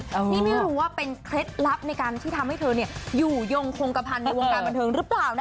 นี่ไม่รู้ว่าเป็นเคล็ดลับในการที่ทำให้เธออยู่ยงคงกระพันธ์ในวงการบันเทิงหรือเปล่านะ